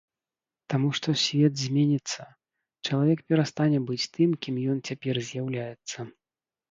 Таму што свет зменіцца, чалавек перастане быць тым кім ён цяпер з'яўляецца.